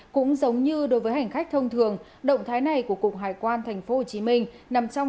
cũng giống như đối với hành khách thông thường động thái này của cục hải quan tp hcm nằm trong